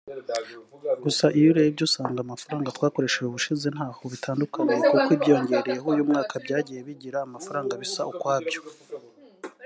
Gusa iyo urebye usanga amafaranga twakoresheje ubushije ntaho bitandukaniye kuko ibyiyongereyeho uyu mwaka byagiye bigira amafaranga bisa ukwabyo"